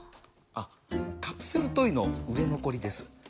あっカプセルトイの売れ残りです